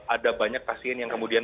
ada banyak pasien yang kemudian